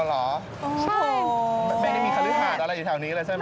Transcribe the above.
อ๋อเหรอไม่ได้มีขนื่นหาดอะไรอยู่แถวนี้เลยใช่ไหม